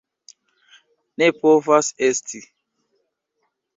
Ne povas esti!